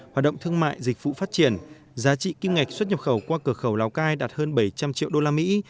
hoạt động thương mại dịch vụ phát triển giá trị kim ngạch xuất nhập khẩu qua cửa khẩu lào cai đạt hơn bảy trăm linh triệu đô la mỹ